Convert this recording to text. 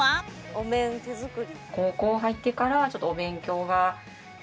お面手作り。